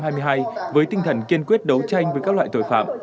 trong năm hai nghìn hai mươi hai với tinh thần kiên quyết đấu tranh với các loại tội phạm